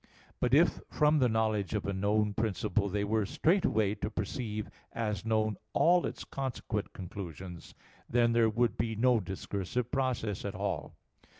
But, if from the knowledge of a known principle they were straightway to perceive as known all its consequent conclusions, then there would be no discursive process at all.